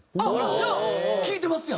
じゃあ聴いてますやん。